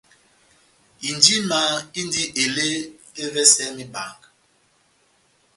Injima indi ele ́evɛsɛ mebanga.